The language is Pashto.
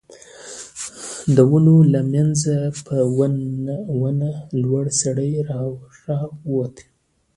د ونو له مينځه په ونه لوړ سړی را ووت.